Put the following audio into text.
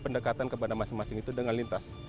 pendekatan kepada masing masing itu dengan lintas